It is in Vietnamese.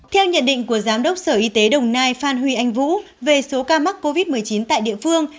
theo nhận định của giám đốc sở y tế đồng nai phan huy anh vũ về số ca mắc covid một mươi chín tại địa phương